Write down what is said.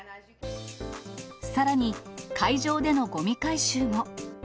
さらに、海上でのごみ回収も。